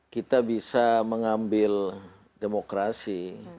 kita bisa mengambil demokrasi